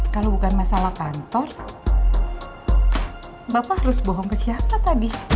kalau bukan masalah kantor bapak harus bohong ke siapa tadi